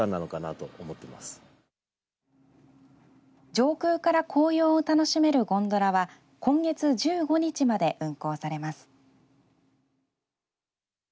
上空から紅葉を楽しめるゴンドラは今月１５日まで運行されます。